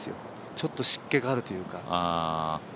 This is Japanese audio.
ちょっと湿気があるというか。